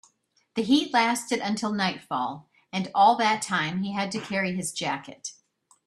The heat lasted until nightfall, and all that time he had to carry his jacket.